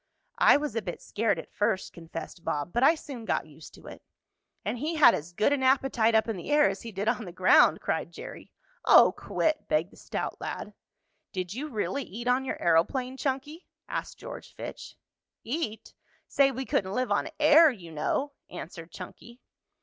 "I was a bit scared at first," confessed Bob. "But I soon got used to it." "And he had as good an appetite up in the air as he did on the ground!" cried Jerry. "Oh, quit!" begged the stout lad. "Did you really eat on your aeroplane, Chunky?" asked George Fitch. "Eat? Say, we couldn't live on air you know," answered Chunky.